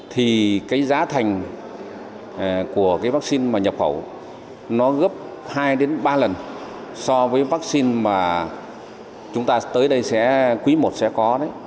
thì cái giá thành của cái vaccine mà nhập khẩu nó gấp hai đến ba lần so với vaccine mà chúng ta tới đây quý i sẽ có đấy